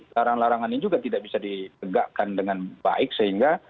larangan larangan ini juga tidak bisa ditegakkan dengan baik sehingga